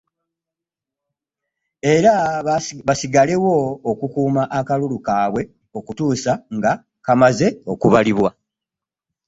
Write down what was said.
Era basigalewo okukuuma akalulu kaabwe okutuusa nga kamaze okubalibwa.